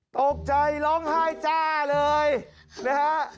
ตกใจร้องไห้จ้าเลยนะฮะ